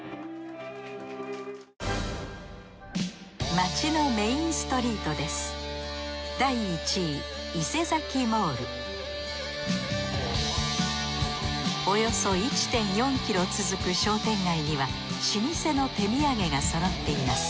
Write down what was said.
街のメインストリートですおよそ１．４ｋｍ続く商店街には老舗の手土産がそろっています。